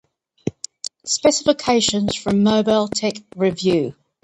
Specifications from Mobile Tech Review.